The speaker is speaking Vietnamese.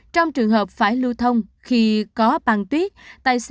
trong trường hợp phải lưu thông khi có băng tuyết